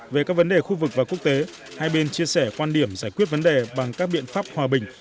về các vấn đề khu vực và quốc tế hai bên chia sẻ quan điểm giải quyết vấn đề bằng các biện pháp hòa bình